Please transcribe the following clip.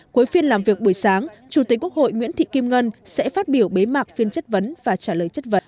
cuối phiên làm việc buổi sáng chủ tịch quốc hội nguyễn thị kim ngân sẽ phát biểu bế mạc phiên chất vấn và trả lời chất vấn